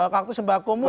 kartu sembako murah